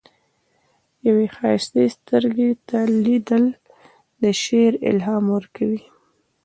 یوې ښایستې سترګې ته لیدل، د شعر الهام ورکوي.